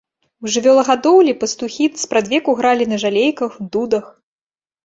У жывёлагадоўлі пастухі спрадвеку гралі на жалейках, дудах.